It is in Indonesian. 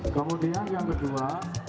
kemudian yang kedua